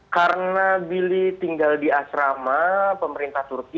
karena billy tinggal di asrama pemerintah turki